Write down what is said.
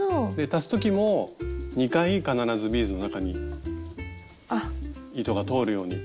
足す時も２回必ずビーズの中に糸が通るように。